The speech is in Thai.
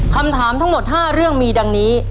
คำถามทั้งหมด๕เรื่องมีดังนี้